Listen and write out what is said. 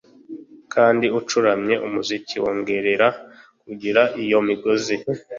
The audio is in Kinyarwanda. Kandi ucuramye umuziki wongorera kuri iyo migozi